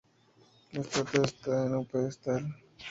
La estatua está en un pedestal.